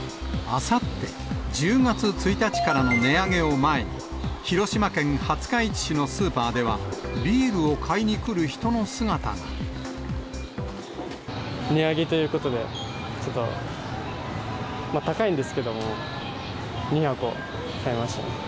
あさって１０月１日からの値上げを前に、広島県廿日市市のスーパーでは、値上げということで、ちょっと高いんですけども、２箱買いましたね。